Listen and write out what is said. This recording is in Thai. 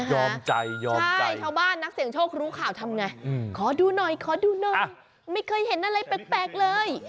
ยอมใช่ชาวบ้านนักเสียงโชครู้ข่าวทำไงขอดูหน่อยขอดูหน่อยไม่เคยเห็นอะไรแปลกเลย